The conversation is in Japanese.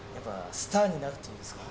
スターになるってことですか。